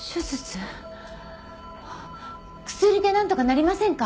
薬でなんとかなりませんか？